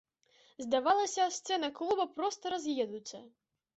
Здавалася, сцены клуба проста раз'едуцца.